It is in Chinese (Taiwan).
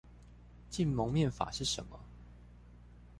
禁蒙面法是什麼？